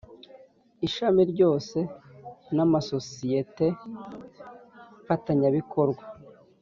Ishami ryose n amasosiyete mfatanyabikorwa